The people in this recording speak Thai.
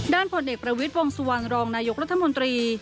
ผลเอกประวิทย์วงสุวรรณรองนายกรัฐมนตรี